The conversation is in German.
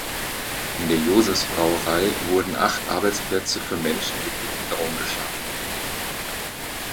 In der Josefs-Brauerei wurden acht Arbeitsplätze für Menschen mit Behinderung geschaffen.